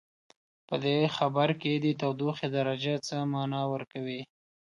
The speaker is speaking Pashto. په دې خبر کې د تودوخې درجه څه معنا ورکوي؟